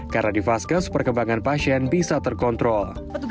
karena di vaskes perkembangan pasien bisa terkontrol